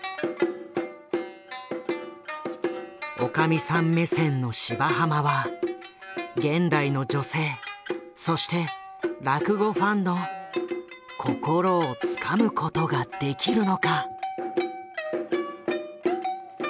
おかみさん目線の「芝浜」は現代の女性そして落語ファンの心をつかむことができるのか。